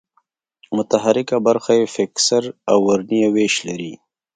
متحرکه برخه یې فکسر او ورنیه وېش لري.